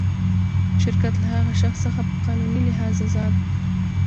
شرکت له هغه شخص څخه په قانوني لحاظ آزاد و.